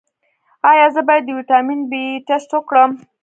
ایا زه باید د ویټامین بي ټسټ وکړم؟